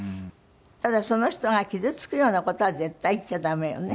ただその人が傷つくような事は絶対言っちゃ駄目よね。